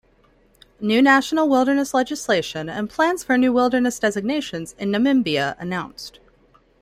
New national wilderness legislation and plans for new wilderness designations in Namimbia announced.